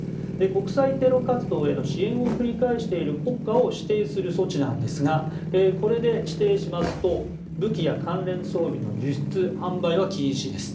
国際テロ活動への支援を繰り返している国家を指定する措置なんですがこれで指定しますと武器や関連装備の輸出・販売は禁止です。